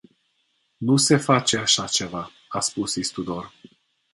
Nu se face așa ceva, a spus Istudor.